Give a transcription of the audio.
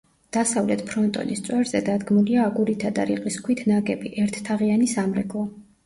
დასავლეთ ფრონტონის წვერზე დადგმულია აგურითა და რიყის ქვით ნაგები, ერთთაღიანი სამრეკლო.